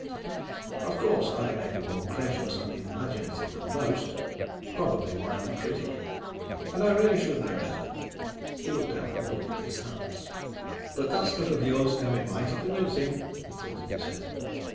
"Of course, I may be more credulous and imaginative than most. Probably why I'm a critic. And I really should know better." He looked down at the book in his hands. "But that stuff of yours can be mighty convincing." He tilted his head.